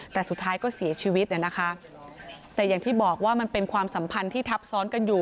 แต่สุดท้ายก็เสียชีวิตเนี่ยนะคะแต่อย่างที่บอกว่ามันเป็นความสัมพันธ์ที่ทับซ้อนกันอยู่